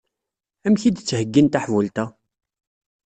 Amek i d-ttheyyin taḥbult-a?